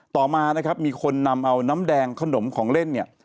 ต่อมานะครับมีคนนำเอาน้ำแดงขนมของเล่นเนี่ย